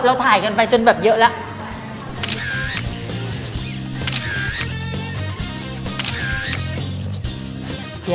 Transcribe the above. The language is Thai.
ถ่ายกันไปจนแบบเยอะแล้ว